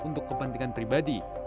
untuk kepentingan pribadi